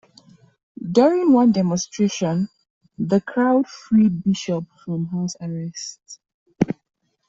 During one demonstration, the crowd freed Bishop from house arrest.